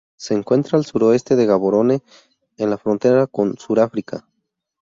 Se encuentra al suroeste de Gaborone, en la frontera con Suráfrica.